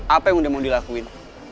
apa yang udah mau dilakuin